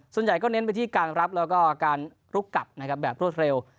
ส่วนใหญ่ก็เน้นไปที่การรับแล้วก็การลุกกลับนะครับแบบรวดเร็ว